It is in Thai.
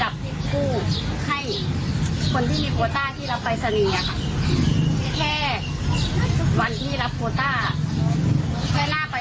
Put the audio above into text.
ก็ลาไปเสนีก็๘๐กว่าแต่๙๐อยู่แล้วอ่ะค่ะ